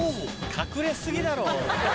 隠れ過ぎだろ。